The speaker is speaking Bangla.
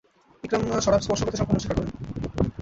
ইকরামা শরাব স্পর্শ করতে সম্পূর্ণ অস্বীকার করে।